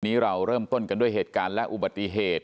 เราเริ่มต้นกันด้วยเหตุการณ์และอุบัติเหตุ